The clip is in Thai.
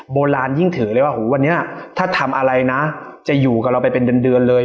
โบราณยิ่งถือเลยว่าหูวันนี้ถ้าทำอะไรนะจะอยู่กับเราไปเป็นเดือนเลย